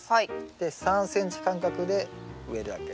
で３ｃｍ間隔で植えるだけ。